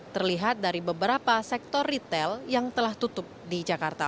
terlihat dari beberapa sektor retail yang telah tutup di jakarta